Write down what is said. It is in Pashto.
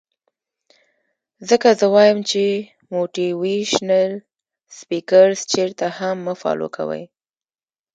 ځکه زۀ وائم چې موټيوېشنل سپيکرز چرته هم مۀ فالو کوئ